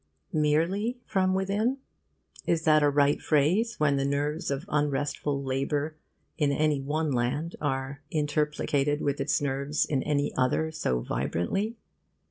Merely from within? Is that a right phrase when the nerves of unrestful Labour in any one land are interplicated with its nerves in any other, so vibrantly?